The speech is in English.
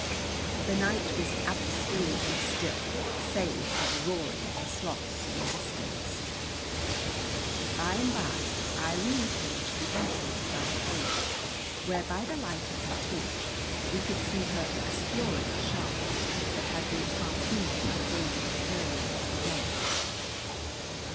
The night was absolutely still save for the roaring of the Sloths in the distance. By and by Irene came to the entrance of our cave, where by the light of her torch we could see her exploring a shark that had been harpooned by David earlier in the day.